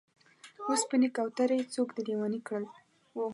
و سپینې کوترې! څوک دې لېونی کړل؟